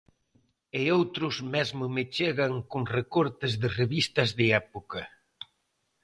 E outros mesmo me chegan con recortes de revistas de época.